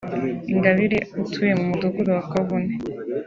Ingabire utuye mu mudugudu wa Kavune